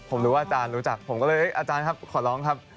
ผมรู้ว่าอาจารย์รู้จักผมก็เลยอาจารย์ครับขอร้องครับ